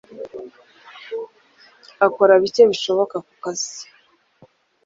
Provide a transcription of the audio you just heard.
Akora bike bishoboka mu kazi